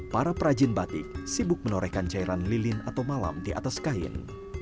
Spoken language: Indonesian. para perajin batik sibuk menorehkan cairan lilin atau malam di atas kain